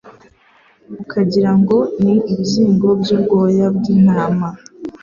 ukagira ngo ni ibizingo by’ubwoya bw’intama